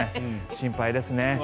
心配ですね。